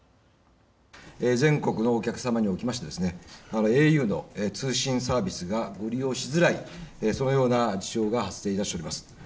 全国のお客様におきましてａｕの通信サービスが利用しづらい、そういうような事象が発生しています。